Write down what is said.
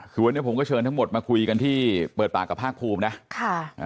คือวันนี้ผมก็เชิญทั้งหมดมาคุยกันที่เปิดปากกับภาคภูมินะค่ะอ่า